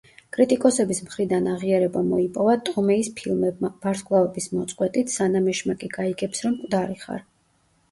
კრიტიკოსების მხრიდან აღიარება მოიპოვა ტომეის ფილმებმა: „ვარსკვლავების მოწყვეტით“, „სანამ ეშმაკი გაიგებს, რომ მკვდარი ხარ“.